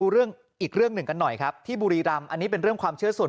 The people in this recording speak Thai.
เรื่องอีกเรื่องหนึ่งกันหน่อยครับที่บุรีรำอันนี้เป็นเรื่องความเชื่อส่วน